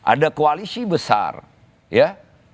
ada koalisi besar ya